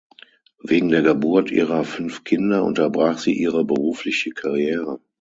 Wegen der Geburt ihrer fünf Kinder unterbrach sie ihre berufliche Karriere.